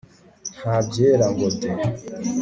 nta byera ngo de